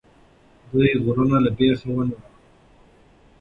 دوی غرونه له بیخه ونړول.